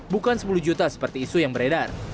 bukan sepuluh juta seperti isu yang beredar